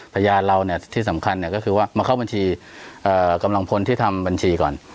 พยานเราเนี่ยที่สำคัญก็คือว่ามาเข้าบัญชีกำลังพลที่ทำบัญชีก่อน